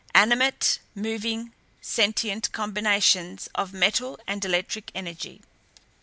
Animate, moving, sentient combinations of metal and electric energy."